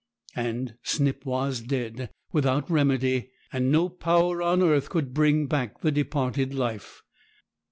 And Snip was dead, without remedy; no power on earth could bring back the departed life.